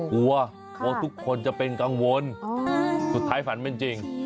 กลัวกลัวทุกคนจะเป็นกังวลสุดท้ายฝันเป็นจริง